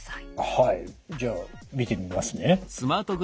はいじゃあ見てみますね。